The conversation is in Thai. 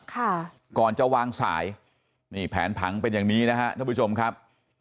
ก่อนจะวางสายนี่แผนผังเป็นอย่างนี้นะฮะท่านผู้ชมครับ